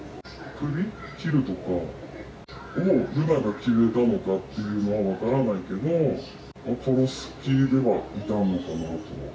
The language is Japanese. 首を切るとかを瑠奈が決めたのかっていうのは分からないけど、殺す気ではいたのかなとは。